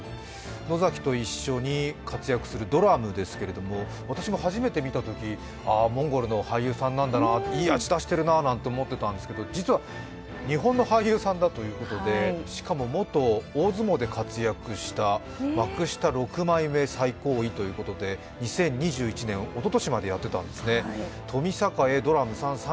野崎と一緒に活躍するドラムですけれども私も初めて見たときモンゴルの俳優さんなんだな、いい味出してるなと思ってたんですけど、実は日本の俳優さんだということでしかも元大相撲で活躍した幕下６枚目最高位ということで、２０２１年、おととしまでやっていたんですね。